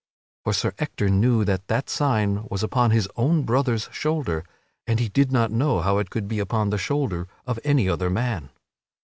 For Sir Ector knew that that sign was upon his own brother's shoulder, and he did not know how it could be upon the shoulder of any other man.